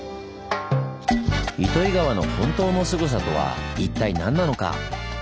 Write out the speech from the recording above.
糸魚川の本当のすごさとは一体何なのか？